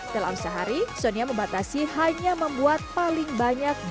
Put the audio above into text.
dalam sehari sonia membatasi hanya membuat paling banyak dua belas kue